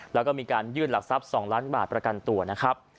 แล้วก็มีการยื่นหลักทรัพย์๒ล้านบาทประกันตัวนะครับ